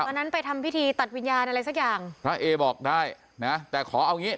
วันนั้นไปทำพิธีตัดวิญญาณอะไรสักอย่างพระเอบอกได้นะแต่ขอเอางี้